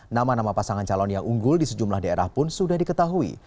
nama nama pasangan calon yang unggul di sejumlah daerah pun sudah diketahui